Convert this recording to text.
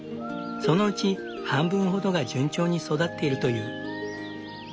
そのうち半分ほどが順調に育っているという。